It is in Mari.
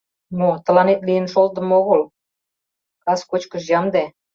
— Мо, тыланет лийын шолтымо огыл, кас кочкыш ямде.